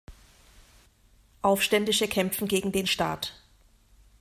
Aufständische kämpfen gegen den Staat.